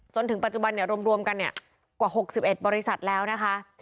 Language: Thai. จนถึงปัจจุบันรวมกันกว่า๖๑บริษัทแล้วนะคะ